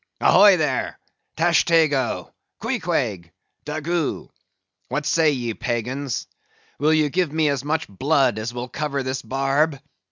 Ahoy, there! Tashtego, Queequeg, Daggoo! What say ye, pagans! Will ye give me as much blood as will cover this barb?"